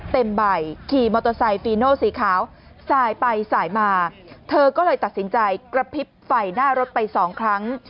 เต็มใบขี่มอเตอร์ไซค์ฟีโนสีขาวสายไปสายมาเธอก็เลยตัดสินใจกระพริบไฟหน้ารถไปสองครั้ง